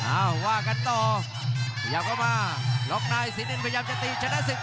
อ้าวว่ากันต่อพยาบก็มาล๊อคนายสีนินพยายามจะตีชนะศึก